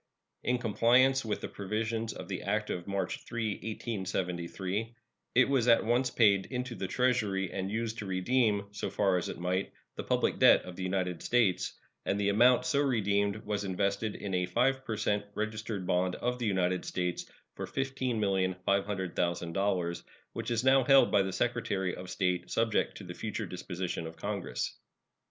In compliance with the provisions of the act of March 3, 1873, it was at once paid into the Treasury, and used to redeem, so far as it might, the public debt of the United States; and the amount so redeemed was invested in a 5 per cent registered bond of the United States for $15,500,000, which is now held by the Secretary of State, subject to the future disposition of Congress.